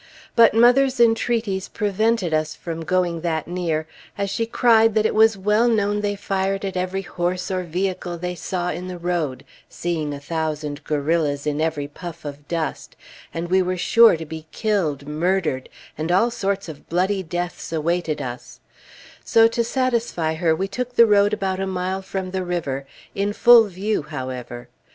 But mother's entreaties prevented us from going that near, as she cried that it was well known they fired at every horse or vehicle they saw in the road, seeing a thousand guerrillas in every puff of dust, and we were sure to be killed, murdered, and all sorts of bloody deaths awaited us; so to satisfy her, we took the road about a mile from the river, in full view, however.